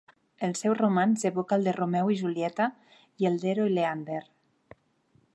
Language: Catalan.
El seu romanç evoca el de Romeu i Julieta, i el d'Hero i Leander.